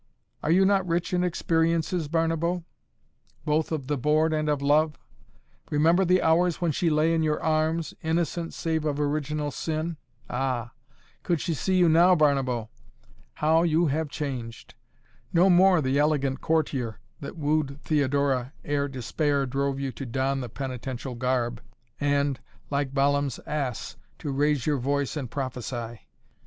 Are you not rich in experiences, Barnabo, both of the board and of love? Remember the hours when she lay in your arms, innocent, save of original sin? Ah! Could she see you now, Barnabo how you have changed! No more the elegant courtier that wooed Theodora ere despair drove you to don the penitential garb and, like Balaam's ass, to raise your voice and prophesy!